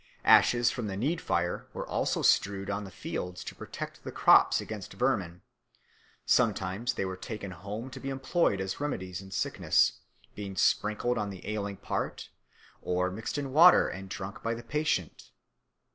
Ashes from the need fire were also strewed on the fields to protect the crops against vermin; sometimes they were taken home to be employed as remedies in sickness, being sprinkled on the ailing part or mixed in water and drunk by the patient.